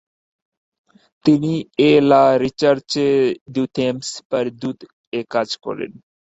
তিনি 'এ লা রিচার্চে ডু টেম্পস পারদু' এ কাজ করেন।